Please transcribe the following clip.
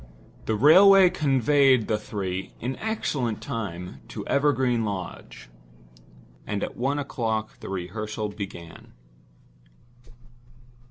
The railway conveyed the three, in excellent time, to Evergreen Lodge; and at one o'clock the rehearsal began.